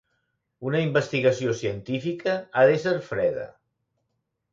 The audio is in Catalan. Una investigació científica ha d'ésser freda.